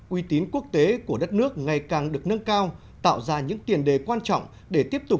uy tín quốc tế của đất nước ngày càng được nâng cao tạo ra những tiền đề quan trọng để tiếp tục